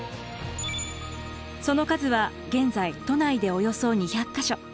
その数は現在都内でおよそ２００か所。